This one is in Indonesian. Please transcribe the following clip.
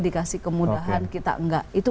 dikasih kemudahan kita enggak itu